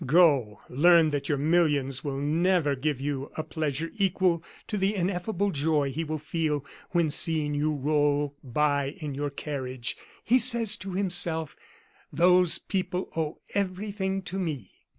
Go; learn that your millions will never give you a pleasure equal to the ineffable joy he will feel, when seeing you roll by in your carriage, he says to himself: 'Those people owe everything to me!